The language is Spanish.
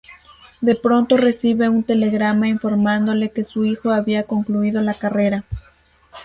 De pronto recibe un telegrama informándole que su hijo había concluido la carrera.